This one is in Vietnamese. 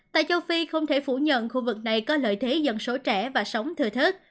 tại châu phi không thể phủ nhận khu vực này có lợi thế dân số trẻ và sống thừa thớt